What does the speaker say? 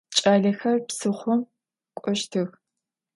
Ç'alexer psıxhom k'oştıx.